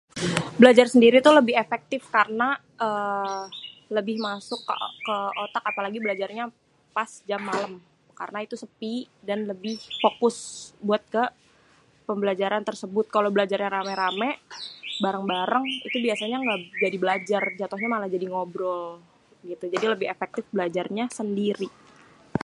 Belajar sendiri tuh lebih efektif karna êêê lebih masuk ke otak apalagi belajarnya pas jam malêm. Karna itu a sepi dan lebih fokus buat ke pembelajaran tersebut. Kalo belajarnya ramé-ramé, barèng-barèng, itu biasanya gak jadi belajar. Jatohnya malah jadi ngobrol gitu. Jadi lebih efektif belajarnya sendiri.